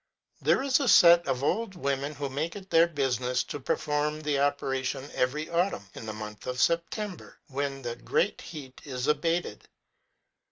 TJ*ere is a set of old wo men who make it their business to perform the operation every autumn, in the month of September, when the great heat is abated.